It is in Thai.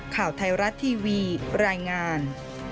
ข่าวไทยรัฐทีวีรายงาน